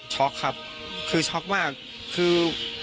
ครับคือช็อกมากคือ